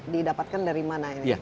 didapatkan dari mana ini